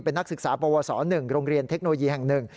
เป็นนักศึกษาปวส๑โรงเรียนเทคโนโลยีแห่งหนึ่ง